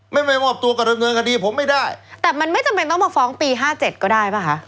ไม่ไม่มอบตัวก็ดำเนินคดีผมไม่ได้แต่มันไม่จำเป็นต้องมาฟ้องปีห้าเจ็ดก็ได้ป่ะคะ